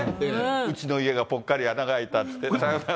うちの家がぽっかり穴が開いたって。